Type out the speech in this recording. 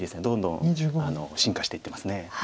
どんどん進化していってますね。